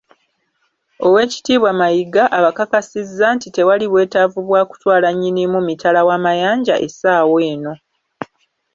Oweekitiibwa Mayiga abakakasizza nti tewali bwetaavu bwa kutwala Nnyinimu mitala w’amayanja essaawa eno